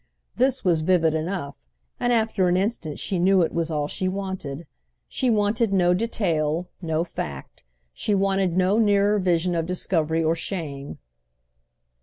This was vivid enough, and after an instant she knew it was all she wanted. She wanted no detail, no fact—she wanted no nearer vision of discovery or shame.